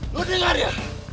lo dengar ya